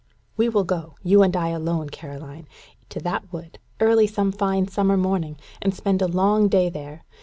"We will go you and I alone, Caroline to that wood, early some fine summer morning, and spend a long day there.